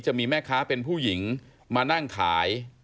จะมีแม่ค้าเป็นผู้หญิงมานั่งขาย